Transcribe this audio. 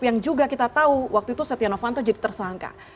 yang juga kita tahu waktu itu setia novanto jadi tersangka